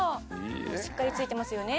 「しっかりついてますよね」